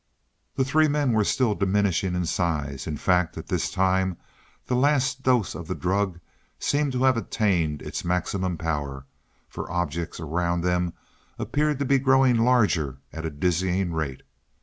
The three men were still diminishing in size; in fact, at this time the last dose of the drug seemed to have attained its maximum power, for objects around them appeared to be growing larger at a dizzying rate.